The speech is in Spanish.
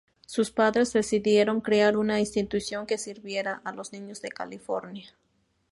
Sus padres decidieron crear una institución que sirviera a "los niños de California".